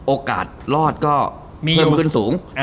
โอกาสรอดก็เพิ่มขึ้นสูง